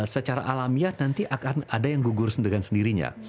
secara alamiah nanti akan ada yang gugur dengan sendirinya